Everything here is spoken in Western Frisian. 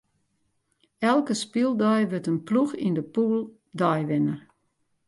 Elke spyldei wurdt in ploech yn de pûle deiwinner.